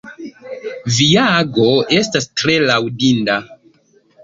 Via ago estas tre laŭdinda.